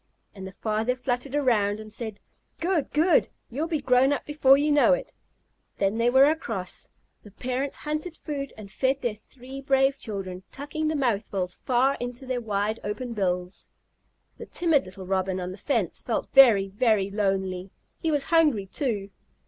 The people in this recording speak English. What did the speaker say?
And the father fluttered around and said: "Good! Good! You'll be grown up before you know it." When they were across, the parents hunted food and fed their three brave children, tucking the mouthfuls far into their wide open bills. The timid little Robin on the fence felt very, very lonely. He was hungry, too.